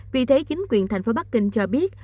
vì thế chính quyền thành phố bắc kinh cho biết